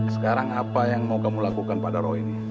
sekarang apa yang mau kamu lakukan pada roh ini